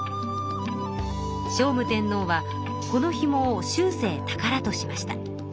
聖武天皇はこのひもを終生たからとしました。